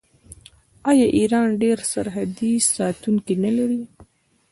آیا ایران ډیر سرحدي ساتونکي نلري؟